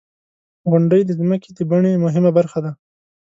• غونډۍ د ځمکې د بڼې مهمه برخه ده.